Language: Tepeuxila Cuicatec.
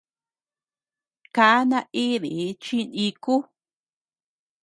Kaa naidi chi niku.